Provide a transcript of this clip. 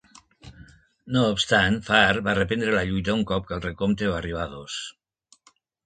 No obstant, Farr va reprendre la lluita un cop que el recompte va arribar a dos.